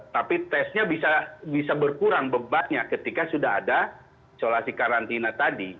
tapi tesnya bisa berkurang bebannya ketika sudah ada isolasi karantina tadi